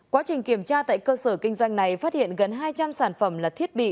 quá trình kiểm tra tại cơ sở kinh doanh này phát hiện gần hai trăm linh sản phẩm là thiết bị